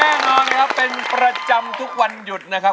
แน่นอนนะครับเป็นประจำทุกวันหยุดนะครับ